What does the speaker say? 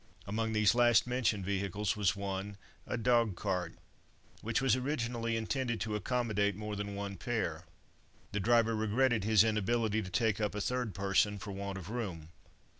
Among these last mentioned vehicles was one, a dog cart, which was originally intended to accommodate more than one pair. The driver regretted his inability to take up a third person for want of room.